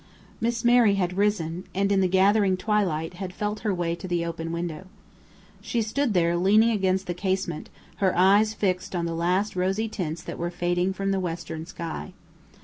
Miss Mary had risen and, in the gathering twilight, had felt her way to the open window. She stood there, leaning against the casement, her eyes fixed on the last rosy tints that were fading from the western sky.